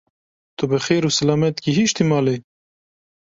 Tu bi xêr û silamet gihîştî malê?